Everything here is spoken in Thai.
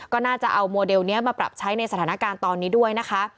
ก็น่าจะเอาโมเดลนี้มาปรับใช้ในสถานการณ์ตอนนี้ด้วยนะคะ